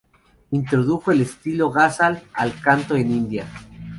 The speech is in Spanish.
Introdujo el estilo Ghazal al canto en India.